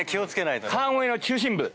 川越の中心部。